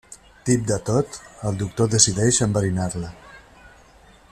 Tip de tot, el doctor decideix enverinar-la.